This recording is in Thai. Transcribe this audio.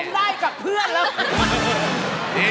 คงได้กับเพื่อนแล้ว